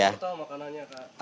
wortel makanannya kak